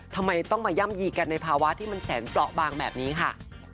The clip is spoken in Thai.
ทำไมต้องมาย่ำยีกันในภาวะที่มันแสนเปราะบางแบบนี้ค่ะ